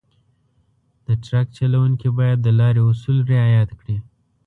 د ټرک چلونکي باید د لارې اصول رعایت کړي.